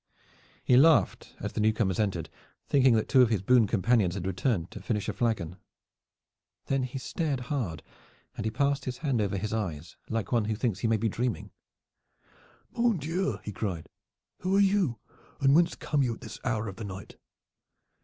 He laughed as the newcomers entered, thinking that two of his boon companions had returned to finish a flagon. Then he stared hard and he passed his hand over his eyes like one who thinks he may be dreaming. "Mon Dieu!" he cried. "Who are you and whence come you at this hour of the night?